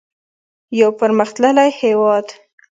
یو پرمختللی هیواد.